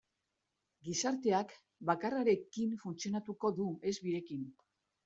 Gizarteak bakarrarekin funtzionatuko du, ez birekin.